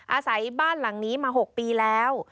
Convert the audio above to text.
อาศัยบ้านหลังนี้มา๖ปีแล้ว